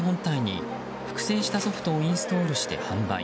中古で買ったゲーム機本体に複製したソフトをインストールして販売。